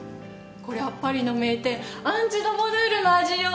これはパリの名店アンジュドボヌールの味よ。